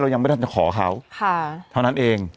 เรายังไม่ได้ถึงจะขอให้เค้าคะเท่านั้นเอง